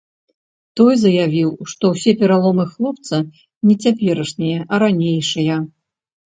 Той заявіў, што ўсе пераломы хлопца не цяперашнія, а ранейшыя.